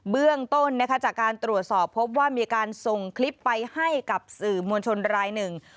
เบื้องต้นนะคะจากการตรวจสอบพบว่ามีการส่งคลิปไปให้กับสื่อมวลชนรายหนึ่ง